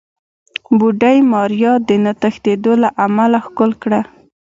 بوډۍ ماريا د نه تښتېدو له امله ښکل کړه.